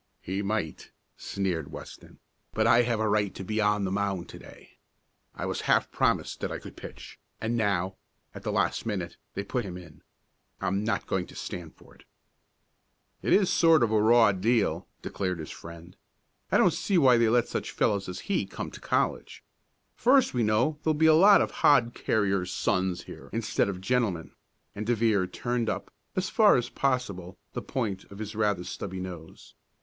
"He might," sneered Weston, "but I have a right to be on the mound to day. I was half promised that I could pitch, and now, at the last minute, they put him in. I'm not going to stand for it!" "It's a sort of a raw deal," declared his friend. "I don't see why they let such fellows as he come to college. First we know there'll be a lot of hod carriers' sons here instead of gentlemen," and De Vere turned up, as far as possible, the point of his rather stubby nose.